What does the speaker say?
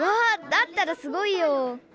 だったらすごいよ。